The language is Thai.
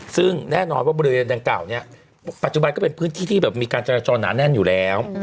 ซึ่งแน่นอนว่าบริเวณดังกล่าวเนี่ยปัจจุบันก็เป็นพื้นที่ที่แบบมีการจราจรหนาแน่นอยู่แล้ว